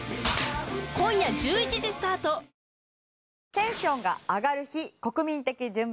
テンションが上がる日国民的順番。